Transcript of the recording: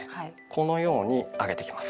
このように上げていきます。